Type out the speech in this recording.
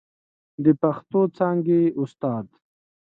د پښتو څانګې استاد